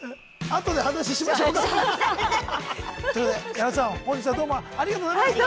後で話しましょうか。ということで矢野さん本日はどうもありがとうございました。